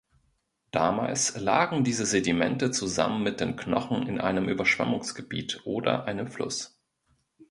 Damals lagen diese Sedimente zusammen mit den Knochen in einem Überschwemmungsgebiet oder einem Fluss.